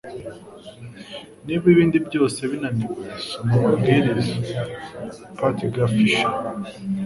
Niba ibindi byose binaniwe soma amabwiriza (patgfisher)